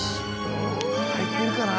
はいってるかな？